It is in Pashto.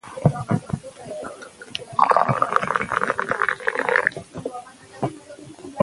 اصلاحات دوام غواړي